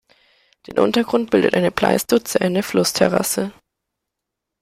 Den Untergrund bildet eine pleistozäne Flussterrasse.